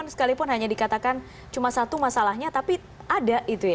sekalipun hanya dikatakan cuma satu masalahnya tapi ada itu ya